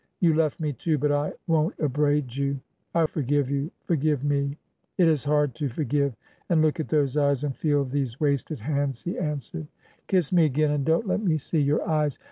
You left me too, but I won't upbraid you. I forgive you; forgive me!' 'It is hard to for give, and look at those eyes, and feel these wasted hands,' he answered. ' Kiss me again, and don't let me see your eyes!